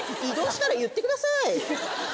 移動したら言ってください。